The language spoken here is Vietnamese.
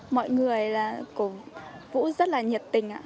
mọi người cũng vũ rất là nhiệt tình